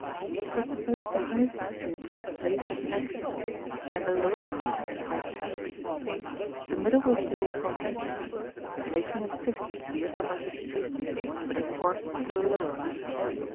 For suppose the highest extreme to be placed at nete and the lowermost at hypate, the middle will fall upon mese, making a fifth to the upper most extreme, but a fourth to the lowermost.